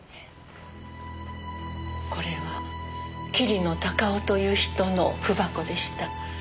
これは桐野孝雄という人の文箱でした。